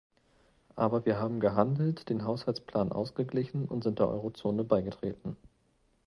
Aber wir haben gehandelt, den Haushaltsplan ausgeglichen und sind der Eurozone beigetreten.